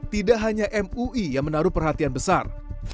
tidak hanya mui yang menaruh perhatian besar